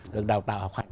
được đào tạo học hành